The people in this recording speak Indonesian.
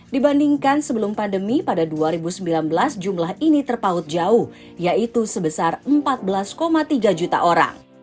dibandingkan sebelum pandemi pada dua ribu sembilan belas jumlah ini terpaut jauh yaitu sebesar empat belas tiga juta orang